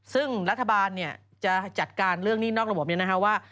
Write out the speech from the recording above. ซึ่งรัฐบาลเนี่ยจะจัดการเรื่องหนี้นอกระบบนี้นะคะว่า